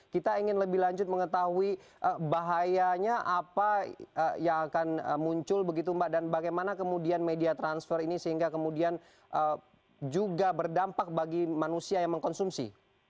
kita ingin lebih lanjut mengetahui bahayanya apa yang akan muncul begitu mbak dan bagaimana kemudian media transfer ini sehingga kemudian juga berdampak bagi manusia yang mengkonsumsi